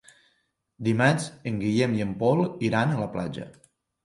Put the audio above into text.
Dimarts en Guillem i en Pol iran a la platja.